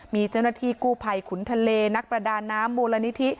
มีเจ้าหน้าที่กู้ภัยขุนทะเลนักประดาน้ำมูลนิธิ